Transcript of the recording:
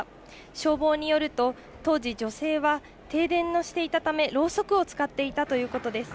消防によると、当時、女性は停電をしていたため、ろうそくを使っていたということです。